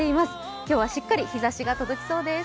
今日はしっかり日差しが届きそうです。